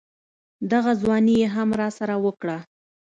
دغه ځواني يې هم راسره وکړه.